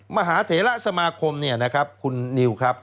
มหาเถระสมาคมคุณนิวครับ